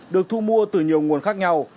được thu mua từ nhiều nguồn khác nhau